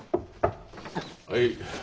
はい。